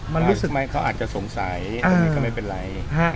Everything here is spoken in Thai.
มันรู้สึกไหมเขาอาจจะสงสัยตรงนี้ก็ไม่เป็นไร